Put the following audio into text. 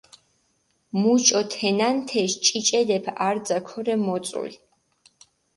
მუჭო თენან თეში ჭიჭელეფი არძა ქორე მოწული.